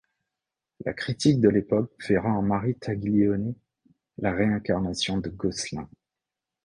La critique de l'époque verra en Marie Taglioni la réincarnation de Gosselin.